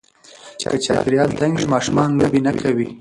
که چاپېریال تنګ وي، ماشومان لوبې نه کوي.